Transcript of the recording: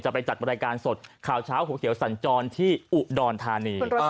ไปจัดบริการสดข่าวเช้าหัวเขียวสัญจรที่อุดรธานี